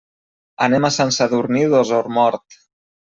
Anem a Sant Sadurní d'Osormort.